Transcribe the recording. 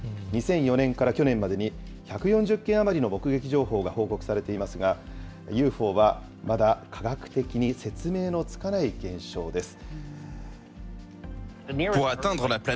２００４年から去年までに、１４０件余りの目撃情報が報告されていますが、ＵＦＯはまだ科学的に説明のつかない現象です。